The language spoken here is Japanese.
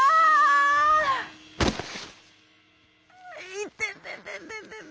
いてててててて」。